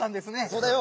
そうだよ。